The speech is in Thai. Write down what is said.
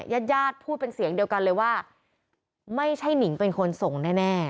ญาติญาติพูดเป็นเสียงเดียวกันเลยว่าไม่ใช่หนิงเป็นคนส่งแน่